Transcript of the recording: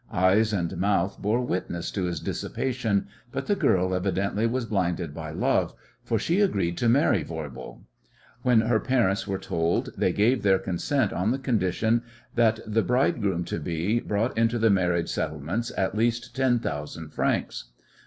Eyes and mouth bore witness to his dissipation, but the girl evidently was blinded by love, for she agreed to marry Voirbo. When her parents were told they gave their consent on the condition that the bridegroom to be brought into the marriage settlements at least ten thousand francs.